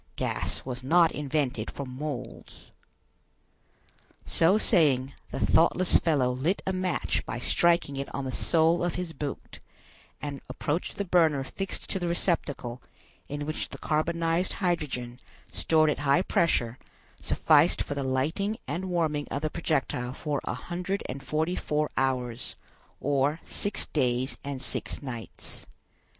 Gas was not invented for moles." So saying, the thoughtless fellow lit a match by striking it on the sole of his boot; and approached the burner fixed to the receptacle, in which the carbonized hydrogen, stored at high pressure, sufficed for the lighting and warming of the projectile for a hundred and forty four hours, or six days and six nights.